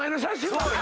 はい。